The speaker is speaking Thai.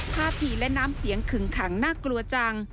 ท่าทีและน้ำเสียงขึงขังน่ากลัวจัง